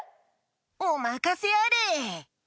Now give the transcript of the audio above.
おまかせあれ。